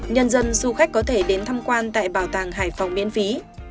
nhân dân du khách có thể đến thăm quan tại bảo tàng hải phòng miễn phí